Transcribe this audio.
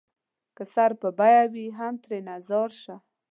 که سر په بيه وي هم ترېنه ځار شــــــــــــــــــه